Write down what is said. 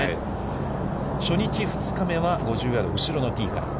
初日、５０ヤード、後ろのピンから。